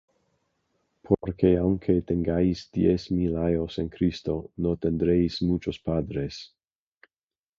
Porque aunque tengáis diez mil ayos en Cristo, no tendréis muchos padres;